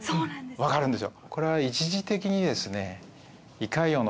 わかるんですよ。